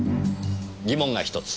疑問が１つ。